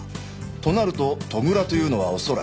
となると戸倉というのは恐らく。